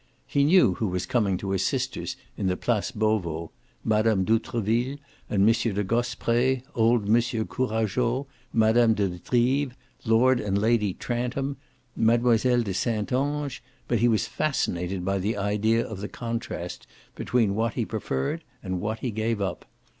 He knew who was coming to his sister's in the Place Beauvau: Mme. d'Outreville and M. de Grospre, old M. Courageau, Mme. de Drives, Lord and Lady Trantum, Mile de Saintonge; but he was fascinated by the idea of the contrast between what he preferred and what he gave up.